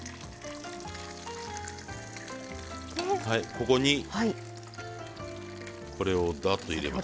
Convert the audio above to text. ここにこれをだっと入れます。